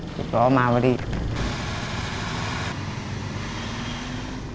แล้วก็ลองไม่ได้ว่าอะไรก็จะดี